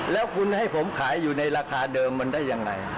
แล้วคุณให้ผมขายอยู่ในราคาเดิมมันได้ยังไง